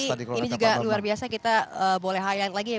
sekali lagi ini juga luar biasa kita boleh hayat lagi ya